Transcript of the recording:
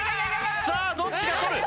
さあどっちが取る？